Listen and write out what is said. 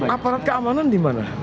aparat keamanan di mana